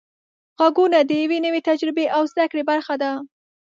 غږونه د یوې نوې تجربې او زده کړې برخه ده.